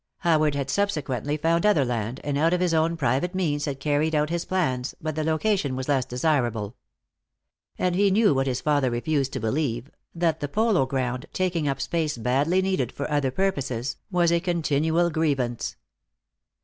Howard had subsequently found other land, and out of his own private means had carried out his plans, but the location was less desirable. And he knew what his father refused to believe, that the polo ground, taking up space badly needed for other purposes, was a continual grievance.